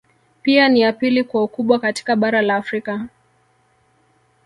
Pia ni ya pili kwa ukubwa katika Bara la Afrika